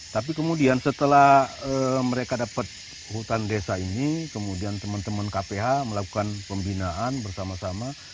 tapi kemudian setelah mereka dapat hutan desa ini kemudian teman teman kph melakukan pembinaan bersama sama